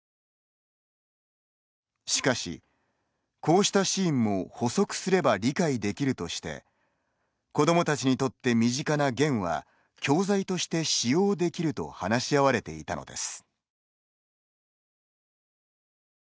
しかし、こうしたシーンも補足すれば理解できるとして子どもたちにとって身近なゲンは教材として使用できると話し合われていたのです。